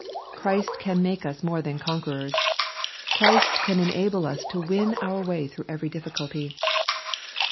Christ can make us more than conquerors. Christ can enable us to win our way through every difficulty.